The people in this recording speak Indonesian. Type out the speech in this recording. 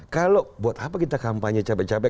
kalau buat apa kita kampanye capek capek